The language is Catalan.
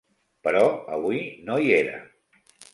Però avui no hi era.